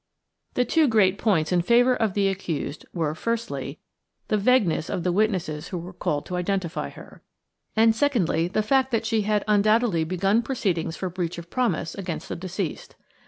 The two great points in favour of the accused were, firstly, the vagueness of the witnesses who were called to identify her, and, secondly, the fact that she had undoubtedly begun proceedings for breach of promise against the deceased.